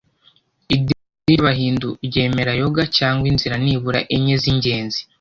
idini ry’abahindu ryemera yoga cyangwa inzira nibura enye z’ingenzi.